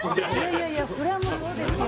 いやいやそれはもうそうですよ